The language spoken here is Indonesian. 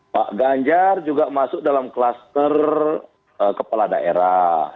pak ganjar juga masuk dalam kluster kepala daerah